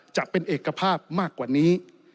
จะเป็นเอกภาพมากกว่านี้